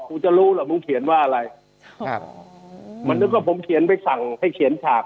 กูจะรู้ล่ะมึงเขียนว่าอะไรครับมันนึกว่าผมเขียนไปสั่งให้เขียนฉาก